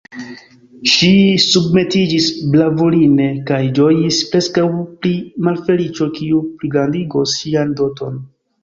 Ŝi submetiĝis bravuline, kaj ĝojis preskaŭ pri malfeliĉo, kiu pligrandigos ŝian doton.